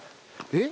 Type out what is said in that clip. えっ？